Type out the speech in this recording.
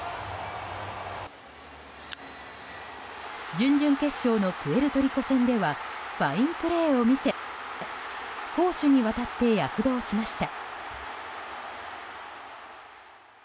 準々決勝のプエルトリコ戦ではファインプレーを見せ攻守にわたって躍動しました。